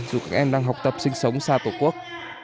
dù các em đang học tập sinh sống xa tổ quốc